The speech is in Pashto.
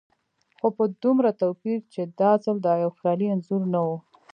خو په دومره توپير چې دا ځل دا يو خيالي انځور نه و.